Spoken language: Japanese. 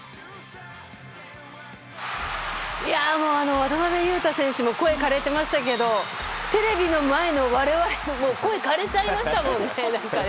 渡邊雄太選手も声枯れていましたけどテレビの前の我々も声枯れちゃいましたもんね。